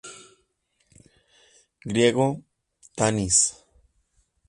Griego: Tanis.